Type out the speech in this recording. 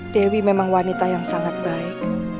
dewi memang wanita yang sangat baik